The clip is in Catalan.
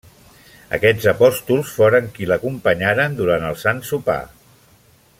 Aquests apòstols foren qui l'acompanyaren durant el Sant Sopar.